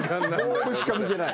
ボールしか見てない。